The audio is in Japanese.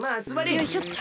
よいしょっと。